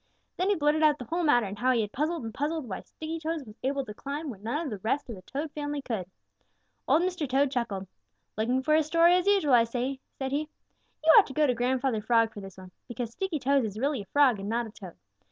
Then he blurted out the whole matter and how he had puzzled and puzzled why Sticky toes was able to climb when none of the rest of the Toad family could. Old Mr. Toad chuckled. "Looking for a story as usual, I see," said he. "You ought to go to Grandfather Frog for this one, because Sticky toes is really a Frog and not a Toad.